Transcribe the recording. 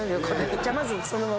じゃあまずそのままで。